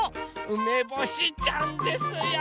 うめぼしちゃんですよ！